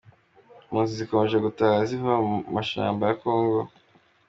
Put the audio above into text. Impunzi zikomeje gutaha ziva mu mashamba ya kongo